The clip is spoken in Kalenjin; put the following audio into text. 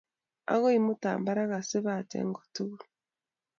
Agoi imuta barak asipaten kotukul